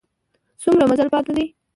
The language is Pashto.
څومره مزل پاته دی؟